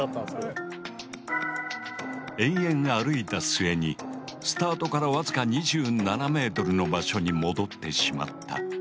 延々歩いた末にスタートからわずか２７ｍの場所に戻ってしまった。